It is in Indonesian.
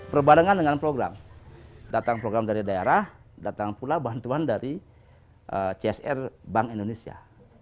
berbarengan dengan program datang program dari daerah datang pula bantuan dari csr bank indonesia